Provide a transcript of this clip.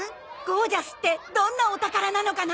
ゴージャスってどんなお宝なのかな？